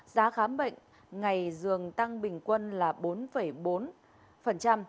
giá khám bệnh ngày dường tăng bình quân là bốn bốn